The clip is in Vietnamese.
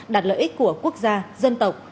đạt lợi ích của quốc gia dân tộc